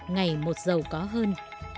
ngày một giàu có hơn